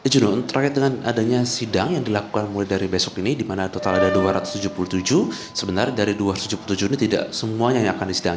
jurun terkait dengan adanya sidang yang dilakukan mulai dari besok ini dimana total ada dua ratus tujuh puluh tujuh sebenarnya dari dua ratus tujuh puluh tujuh ini tidak semuanya yang akan disediakan